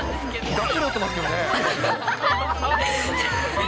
がっつり折ってますけどね。